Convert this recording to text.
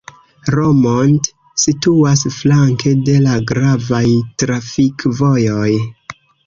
Romont situas flanke de la gravaj trafikvojoj.